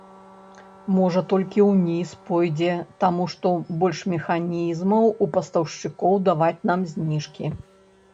Можа, толькі ўніз пойдзе, таму што больш механізмаў у пастаўшчыкоў даваць нам зніжкі.